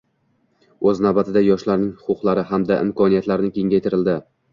Oʻz navbatida, yoshlarning huquqlari hamda imkoniyatlarini kengaytirildi